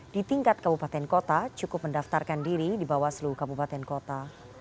di tingkat kabupaten kota cukup mendaftarkan diri di bawaslu kabupaten kota